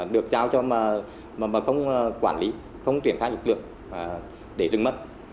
được giao cho mà không quản lý không triển phát lực lượng để rừng mất